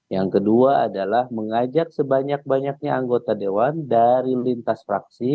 yang kedua adalah mengajak sebanyak banyaknya anggota dewan dari lintas fraksi